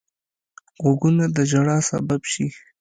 غوږونه د ژړا سبب شي